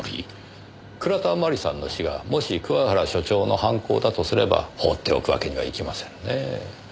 倉田真理さんの死がもし桑原所長の犯行だとすれば放っておくわけにはいきませんねえ。